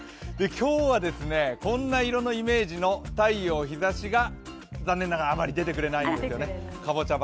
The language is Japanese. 今日はこんな色のイメージの太陽、日ざしが残念ながらあまり出てくれないのでかぼちゃ